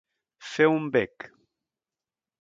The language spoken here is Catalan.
Fer un bec.